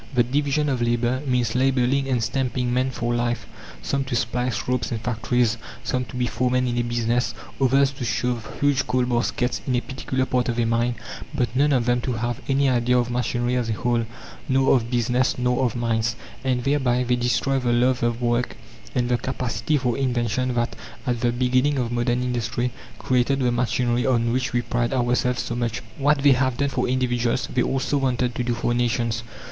The division of labour means labelling and stamping men for life some to splice ropes in factories, some to be foremen in a business, others to shove huge coal baskets in a particular part of a mine; but none of them to have any idea of machinery as a whole, nor of business, nor of mines. And thereby they destroy the love of work and the capacity for invention that, at the beginning of modern industry, created the machinery on which we pride ourselves so much. What they have done for individuals, they also wanted to do for nations.